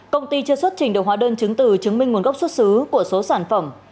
công ty chưa xuất trình được hóa đơn chứng từ chứng minh nguồn gốc xuất xứ của số sản phẩm